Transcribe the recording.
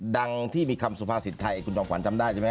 ดังที่มีคำสุภาษีไทยจริงฟควันทำได้ใช่ไหม